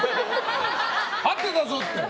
合ってたぞって。